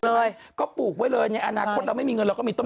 เลยก็ปลูกไว้เลยในอนาคตเราไม่มีเงินเราก็มีต้น